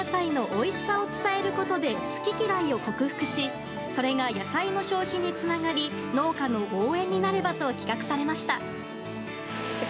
おいしさを伝えることで好き嫌いを克服しそれが野菜の消費につながり農家の応援になればと企画されました。